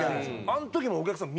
あの時もお客さん